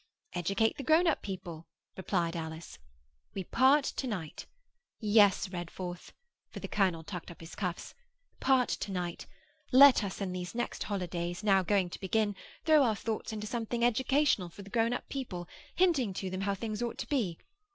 'Educate the grown up people,' replied Alice. 'We part to night. Yes, Redforth,'—for the colonel tucked up his cuffs,—'part to night! Let us in these next holidays, now going to begin, throw our thoughts into something educational for the grown up people, hinting to them how things ought to be.